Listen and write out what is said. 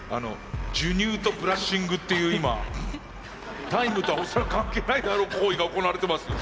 授乳とブラッシングっていう今タイムとは恐らく関係ないであろう行為が行われています。